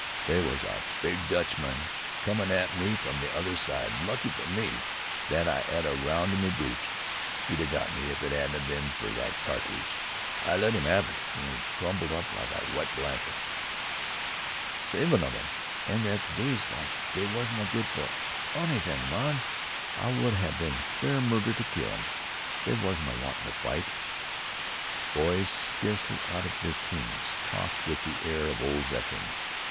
"They was a big Dutchman comin' at me from the other side. Lucky fer me that I 'ad a round in me breach. He'd 'a' got me if it 'adn't 'a' been fer that ca'tridge. I let 'im 'ave it an' 'e crumpled up like a wet blanket." "Seeven of them, an' that dazed like, they wasna good for onything. Mon, it would ha' been fair murder to kill 'em! They wasna wantin' to fight." Boys scarcely out of their 'teens talked with the air of old veterans.